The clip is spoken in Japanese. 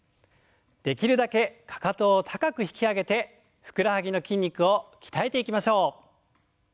できるだけかかとを高く引き上げてふくらはぎの筋肉を鍛えていきましょう。